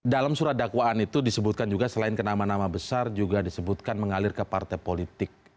dalam surat dakwaan itu disebutkan juga selain ke nama nama besar juga disebutkan mengalir ke partai politik